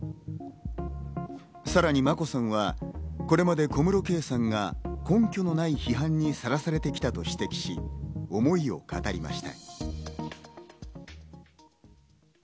さらに眞子さんはこれまで小室圭さんが根拠のない批判にさらされてきたと指摘し、思いを語りました。